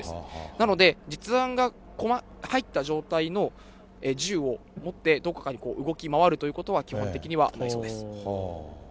なので、実弾が入った状態の銃を持って、どこかに動き回るということは、基本的にはないそうです。